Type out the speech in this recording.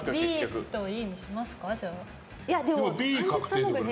ＢとＥにしますか？